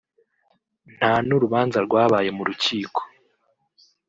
nta n’urubanza rwabaye mu rukiko